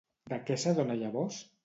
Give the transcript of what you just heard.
De què s'adona llavors?